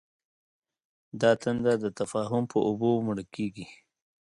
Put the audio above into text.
دا تنده د تفاهم په اوبو مړ کېږي.